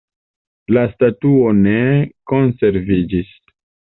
La statuo ne konserviĝis.